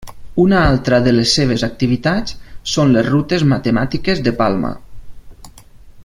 Una altra de les seves activitats són les rutes matemàtiques de Palma.